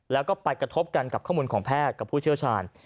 แล้วก็ไปกระทบกันกับข้อมูลของแพทย์กับผู้เชี่ยวชาญ